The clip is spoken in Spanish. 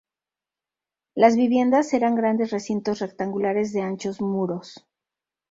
Las viviendas eran grandes recintos rectangulares de anchos muros.